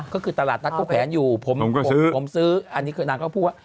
ก็คือตลาดนัดก็แผนอยู่ผมซื้ออันนี้คือนางก็พูดว่า